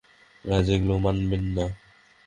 রাজা এগুলো মানবেন না।